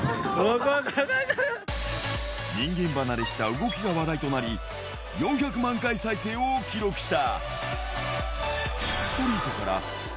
人間離れした動きが話題となり、４００万回再生を記録した。